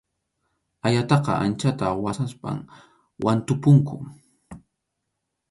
Ayataqa anchata waqaspam wantupunku.